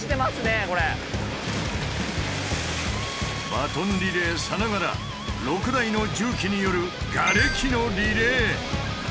バトンリレーさながら６台の重機による「ガレキのリレー」。